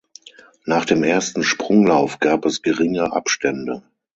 Nach dem ersten Sprunglauf gab es geringe Abstände.